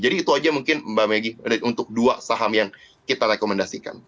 jadi itu aja mungkin mbak maggie untuk dua saham yang kita rekomendasikan